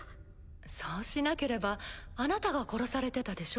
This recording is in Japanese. そうしなければあなたが殺されてたでしょ？